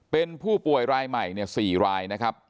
เป็นผู้ป่วยรายใหม่๔รายนะครับ